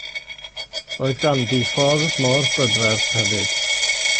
Roedd ganddi ffordd mor brydferth hefyd.